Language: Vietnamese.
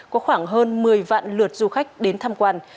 có khoảng hơn một mươi vạn lượt du khách đến tham quan